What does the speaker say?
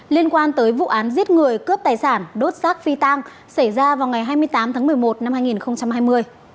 liên quan tới vụ án giết người cướp tài sản đốt rác phi tang xảy ra vào ngày hai mươi tám tháng một mươi một năm hai nghìn hai mươi